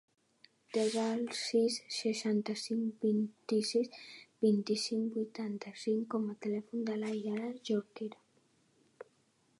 Desa el sis, seixanta-cinc, vint-i-sis, vint-i-cinc, vuitanta-cinc com a telèfon de la Yara Jorquera.